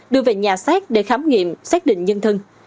đưa về nhà xác để khám nghiệm xác định nhân thân